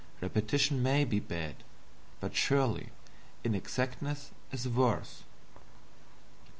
Repetition may be bad, but surely inexactness is worse.